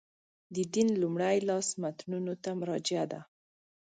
د دین لومړي لاس متنونو ته مراجعه ده.